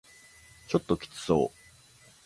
ちょっときつそう